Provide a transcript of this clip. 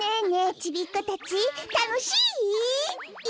ちびっこたちたのしイ？